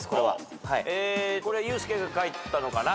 これユースケが書いたのかな？